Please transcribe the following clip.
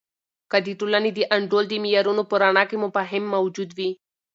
که د ټولنې د انډول د معیارونو په رڼا کې مفاهیم موجود وي.